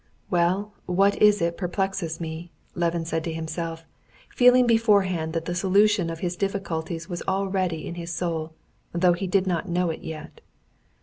"Well, what is it perplexes me?" Levin said to himself, feeling beforehand that the solution of his difficulties was ready in his soul, though he did not know it yet.